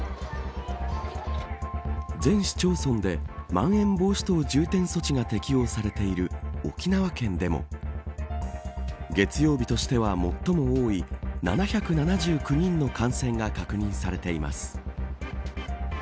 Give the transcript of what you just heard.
全市町村でまん延防止等重点措置が適用されている沖縄県でも月曜日としては最も多い７７９人の感染が確認されています。